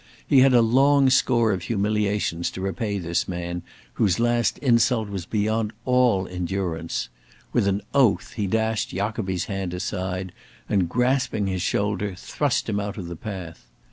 He had a long score of humiliations to repay this man, whose last insult was beyond all endurance. With an oath he dashed Jacobi's hand aside, and, grasping his shoulder, thrust him out of the path.